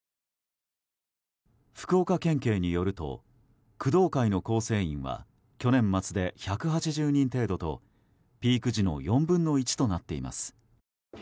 福岡県警によると工藤会の構成員は去年末で１８０人程度とピーク時の４分の１となっています。